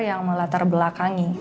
yang melatar belakangi